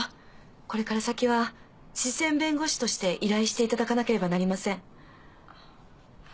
これから先は私選弁護士として依頼していただかなければなりません。